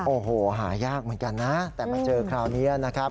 โอ้โหหายากเหมือนกันนะแต่มาเจอคราวนี้นะครับ